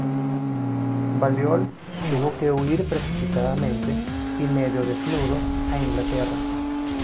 Balliol tuvo que huir precipitadamente y medio desnudo a Inglaterra.